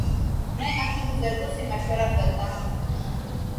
میں اپنے بزرگوں سے مشورہ کرتا ہوں۔